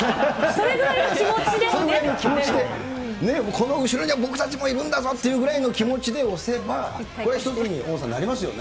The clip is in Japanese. それぐらいの気持ちでね、この後ろには僕たちもいるんだぞっていうぐらいの気持ちで押せば、これは一つに大野さん、なりますよね。